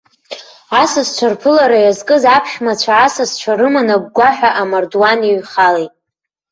Асасцәа рԥылара иазкыз аԥшәмацәа асасцәа рыман агәгәаҳәа амардуан иҩхалеит.